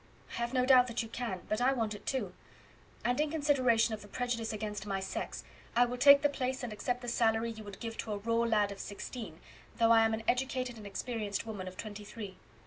"I have no doubt that you can, but I want it too; and, in consideration of the prejudice against my sex, I will take the place, and accept the salary you would give to a raw lad of sixteen, though I am an educated and experienced woman of twenty three.